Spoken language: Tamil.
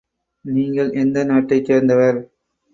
நீங்கள் எந்த நாட்டைச் சேர்ந்தவர்?